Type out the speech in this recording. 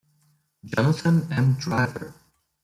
Jonathan M. Driver.